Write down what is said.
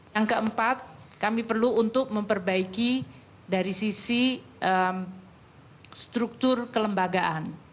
yang keempat kami perlu untuk memperbaiki dari sisi struktur kelembagaan